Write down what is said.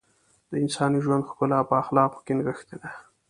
د انساني ژوند ښکلا په اخلاقو کې نغښتې ده .